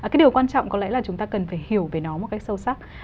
cái điều quan trọng có lẽ là chúng ta cần phải hiểu về nó một cách sâu sắc